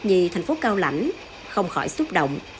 nhì thành phố cao lãnh không khỏi xúc động